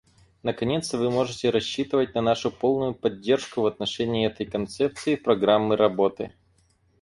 Наконец, вы можете рассчитывать на нашу полную поддержку в отношении этой концепции программы работы.